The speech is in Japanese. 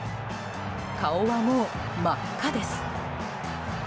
顔はもう、真っ赤です。